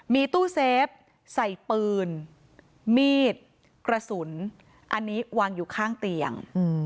มีตู้เซฟใส่ปืนมีดกระสุนอันนี้วางอยู่ข้างเตียง